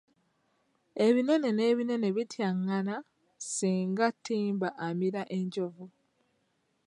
Ebinene n'ebinene bityaŋŋana, singa ttimba amira enjovu